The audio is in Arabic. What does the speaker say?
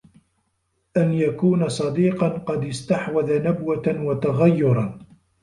أَنْ يَكُونَ صَدِيقًا قَدْ اسْتَحْدَثَ نَبْوَةً وَتَغَيُّرًا